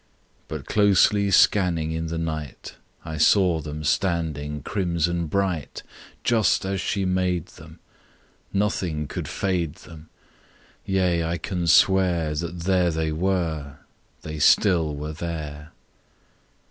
But closely scanning in the night I saw them standing crimson bright Just as she made them: Nothing could fade them; Yea, I can swear That there they were— They still were there!